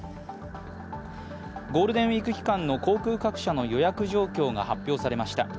ゴールデンウイーク期間の航空各社の予約状況が発表されました。